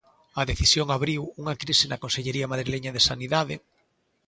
A decisión abriu unha crise na Consellería madrileña de Sanidade.